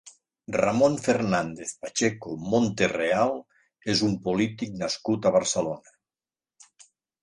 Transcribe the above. Ramón Fernández-Pacheco Monterreal és un polític nascut a Barcelona.